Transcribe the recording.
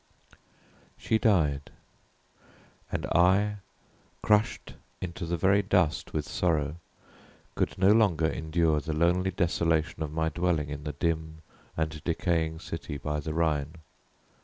_" She died: and I, crushed into the very dust with sorrow, could no longer endure the lonely desolation of my dwelling in the dim and decaying city by the Rhine.